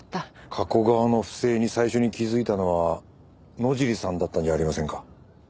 加古川の不正に最初に気づいたのは野尻さんだったんじゃありませんか？